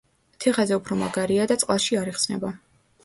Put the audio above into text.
თიხაზე უფრო მაგარია და წყალში არ იხსნება.